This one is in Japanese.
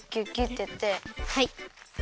はい。